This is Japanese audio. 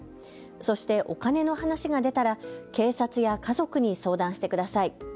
そしてお金の話が出たら警察や家族に相談してください。